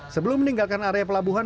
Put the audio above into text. sebelum meninggalkan area pelabuhan